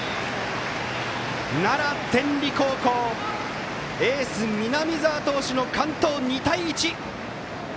奈良・天理高校エース、南澤投手の完投で２対１。